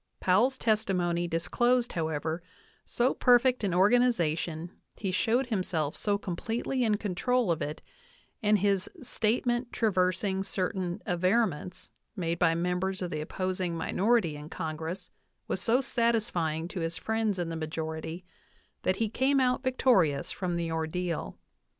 Powell's testimony disclosed, however, so perfect an Organization, he showed himself so completely in control of it, and his "statement traversing cer tain averments" made by members of the opposing minority in Congress was so satisfying to his friends in the majority, that he came out victorious from the ordeal.